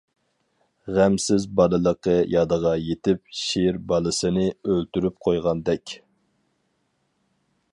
غەمسىز بالىلىقى يادىغا يېتىپ، شىر بالىسىنى ئۆلتۈرۈپ قويغاندەك.